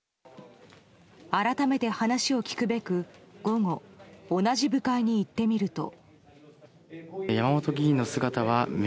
改めて話を聞くべく午後、同じ部会に行ってみると。